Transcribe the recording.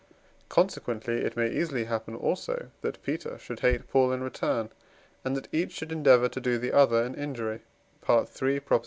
consequently it may easily happen also, that Peter should hate Paul in return, and that each should endeavour to do the other an injury, (III.